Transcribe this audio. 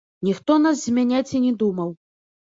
Ніхто нас змяняць і не думаў.